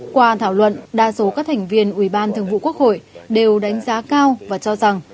qua thảo luận đa số các thành viên ủy ban thường vụ quốc hội đều đánh giá cao và cho rằng